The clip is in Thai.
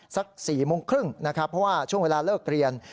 สัก๔โมงครึ่งนะครับเพราะว่าช่วงเวลาเลิกเรียน